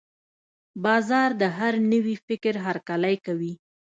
بازار د هر نوي فکر هرکلی کوي.